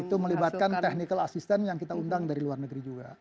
itu melibatkan technical assistant yang kita undang dari luar negeri juga